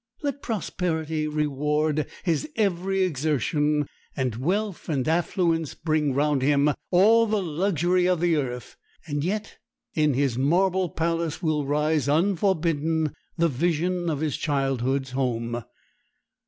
Let prosperity reward his every exertion, and wealth and affluence bring round him all the luxury of the earth, yet in his marble palace will rise unforbidden the vision of his childhood's home.